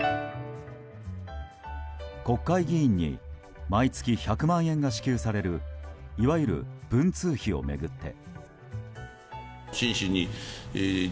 国会議員に毎月１００万円が支給されるいわゆる文通費を巡って。